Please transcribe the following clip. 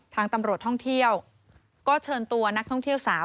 ทางตำรวจท่องเที่ยวก็เชิญตัวนักท่องเที่ยวสาว